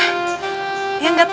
laila gak pernah nanya nanya gituan